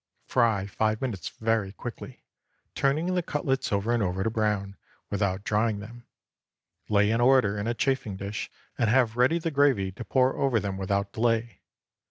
Fry five minutes very quickly, turning the cutlets over and over to brown, without drying them. Lay in order in a chafing dish, and have ready the gravy to pour over them without delay.